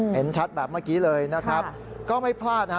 เห็นชัดแบบเมื่อกี้เลยนะครับก็ไม่พลาดนะฮะ